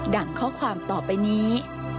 ั่งข้อความต่อไปนี้